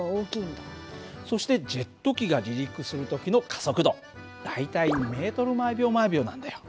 そしてジェット機が離陸する時の加速度大体２ｍ／ｓなんだよ。